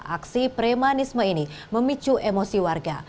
aksi premanisme ini memicu emosi warga